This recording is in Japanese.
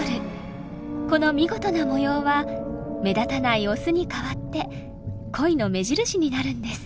この見事な模様は目立たないオスに代わって恋の目印になるんです。